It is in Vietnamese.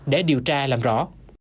để điều tra làm rõ